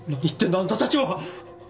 あんたたちは。